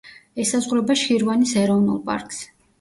ესაზღვრება შირვანის ეროვნულ პარკს.